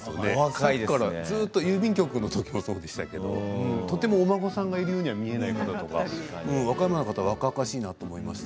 さっきからずっと郵便局のときもそうですけどとてもお孫さんがいるようには見えない方だとか和歌山の方若々しいなと思いました。